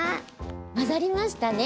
まざりましたね。